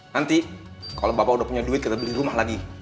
nanti kalau bapak udah punya duit kita beli rumah lagi